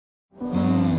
うん。